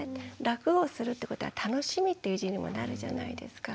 楽をするってことは楽しみっていう字にもなるじゃないですか。